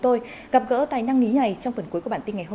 tôi gặp gỡ và hẹn gặp lại